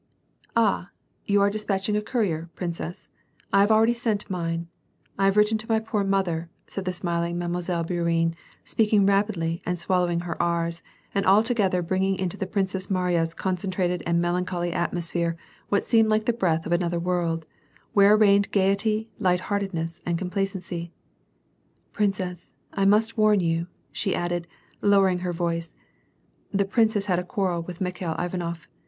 " Ah, you are despatching a courier, princess ; I have already sent mine ; I have written to iny poor mother," * said the smil ing Mile. Bourriene, speaking rapidly and swallowing her K's, and altogether bringing into the Princess Mariya's concentrated and melancholy atmosphere what seemed like the breath of another world, where reigned gayety, light heartedness, and complacency. " Princess, I must warn you," she added, lowering her voice, "the prince has had a quarrel with Mikhail Ivanof.